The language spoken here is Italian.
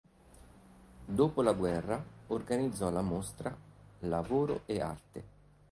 Dopo la guerra organizzò la mostra "Lavoro e arte".